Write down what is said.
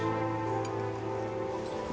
kita tinggal campur campur